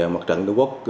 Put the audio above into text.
mặt trận nước quốc